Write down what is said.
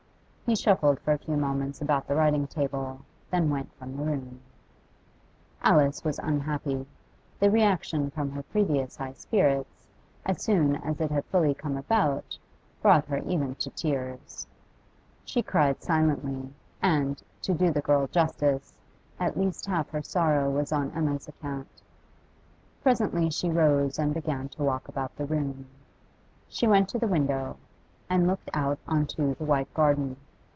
He shuffled for a few moments about the writing table, then went from the room. Alice was unhappy. The reaction from her previous high spirits, as soon as it had fully come about, brought her even to tears. She cried silently, and, to do the girl justice, at least half her sorrow was on Emma's account. Presently she rose and began to walk about the room; she went to the window, and looked out on to the white garden.